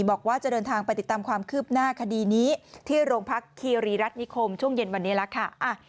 บอกว่าจะเดินทางไปติดตามความคืบหน้าคดีนี้ที่โรงพักคีรีรัฐนิคมช่วงเย็นวันนี้แล้วค่ะ